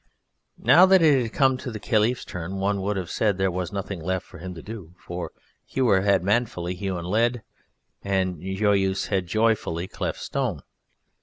Now that it had come to the Kaliph's turn, one would have said there was nothing left for him to do, for Hewer had manfully hewn lead, and Joyeuse had joyfully cleft stone.